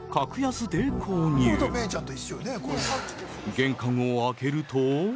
玄関を開けると。